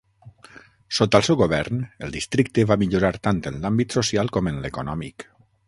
Sota el seu govern, el districte va millorar tant en l'àmbit social com en l'econòmic.